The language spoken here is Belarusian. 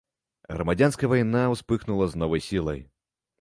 Грамадзянская вайна ўспыхнула з новай сілай.